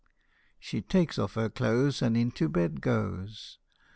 She takes off her clothes, And into bed goes.